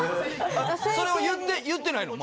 それを言って言ってないの？